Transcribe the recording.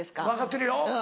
分かってるよ。